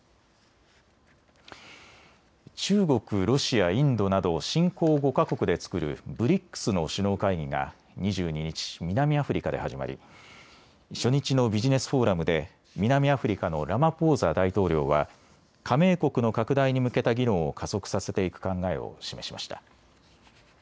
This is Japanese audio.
中国、ロシア、インドなど新興５か国で作るＢＲＩＣＳの首脳会議が２２日、南アフリカで始まり初日のビジネスフォーラムで南アフリカのラマポーザ大統領は加盟国の拡大に向けた議論を加速させていく考えを示しました。